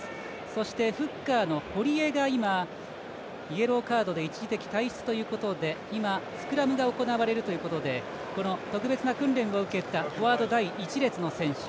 そして、フッカーの堀江が今、イエローカードで一時的退出ということで今、スクラムが行われるということで特別な訓練を受けたフォワード第１列の選手